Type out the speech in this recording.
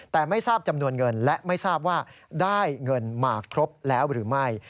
แต่ไม่ทราบจำนวนเงินและไม่ทราบว่าได้เงินมาครบแล้วหรือไม่